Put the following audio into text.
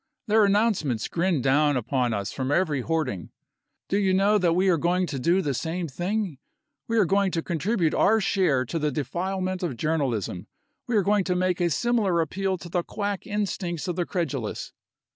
Their announcements grin down upon us from every hoarding. Do you know that we are going to do the same thing? We are going to contribute our share to the defilement of journalism. We are going to make a similar appeal to the quack instincts of the credulous."